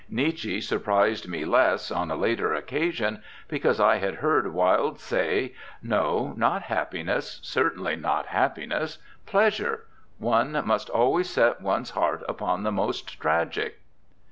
Nietzsche surprised me less, on a later occasion, because I had heard Wilde say, 'No, not happiness! Certainly not happiness! Pleasure. One must always set one's heart upon the most tragic.'